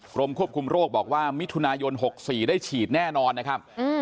กรมควบคุมโรคบอกว่ามิถุนายน๖๔ได้ฉีดแน่นอนนะครับ